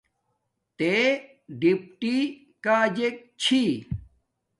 تݺ ڈِپٹݵ کݳجݵک چھݵ؟